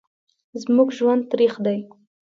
زموږ ژوند تریخ دی